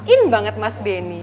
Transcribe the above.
in banget mas benny